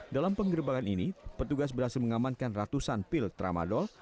dalam penggerbangan ini petugas berhasil mengamankan ratusan pil tramadol